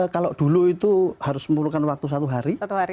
kalau dulu itu harus memerlukan waktu satu hari